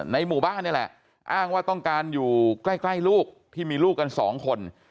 หมู่บ้านนี่แหละอ้างว่าต้องการอยู่ใกล้ลูกที่มีลูกกันสองคน